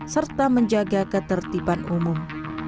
serta menjaga ketertiban umum